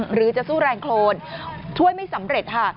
หรือจะสู้แรงโครนช่วยไม่สำเร็จค่ะ